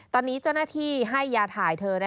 ตอนนี้เจ้าหน้าที่ให้ยาถ่ายเธอ